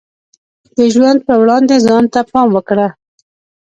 د ژوند په وړاندې ځان ته پام وکړه.